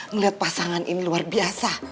melihat pasangan ini luar biasa